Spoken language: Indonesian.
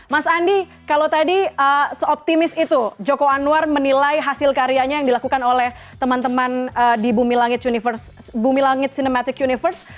mas andi kalau tadi seoptimis itu joko anwar menilai hasil karyanya yang dilakukan oleh teman teman di bumi langit cinematic universe